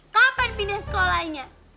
kapan pindah sekolahnya